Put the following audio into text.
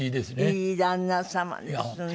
いい旦那様ですね！